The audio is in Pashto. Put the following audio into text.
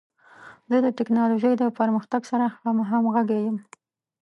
زه د ټکنالوژۍ د پرمختګ سره همغږی یم.